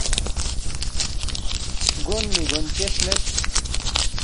گونمی گونچس مید